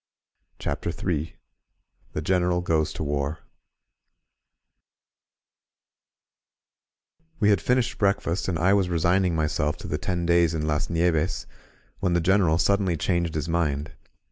CHAPTER in THE GENERAL GOES TO WAR WE had finished breakfast and I was resigning myself to the ten days in Las Nieves, when the General suddenly changed his mind.